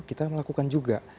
kita lakukan juga